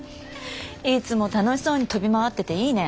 いつも楽しそうに飛び回ってていいね。